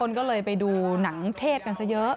ก็เลยไปดูหนังเทศกันซะเยอะ